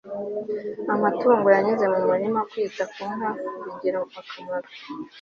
amatungo yanyuze mu murima.kwita ku nka bigira akamaro